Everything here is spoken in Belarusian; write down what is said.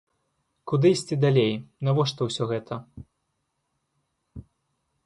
Куды ісці далей, навошта ўсё гэта?